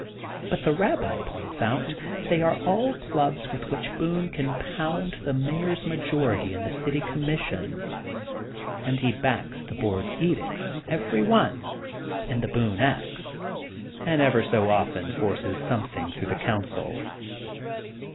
But, the Rabbi points out, they are all clubs with which Boone can pound the Mayor's majority in the city commission and he backs the board's edicts, every one, in The THE GOLDEN BOOK OF SPRINGFIELD 115 Boone Ax, and ever so often forces some thing through the council.